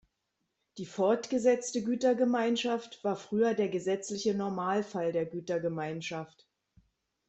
Die fortgesetzte Gütergemeinschaft war früher der gesetzliche Normalfall der Gütergemeinschaft.